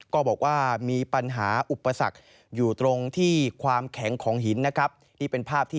ก็บอกว่ามีปัญหาอุปสรรคอยู่ตรงที่ความแข็งของหิน